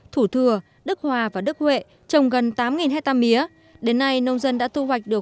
thủ thừa đức hòa và đức huệ trồng gần tám hectare mía đến nay nông dân đã thu hoạch được